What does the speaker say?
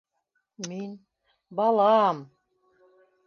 - Мин... балам!